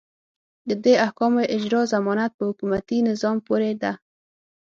د دې احکامو اجرا ضمانت په حکومتي نظام پورې ده.